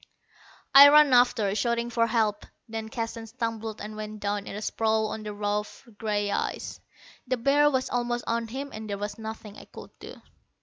I ran after, shouting for help. Then Keston stumbled and went down in a sprawl on the rough gray ice. The bear was almost on him and there was nothing I could do.